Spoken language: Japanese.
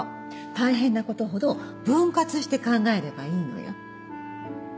大変なことほど分割して考えればいいのよ。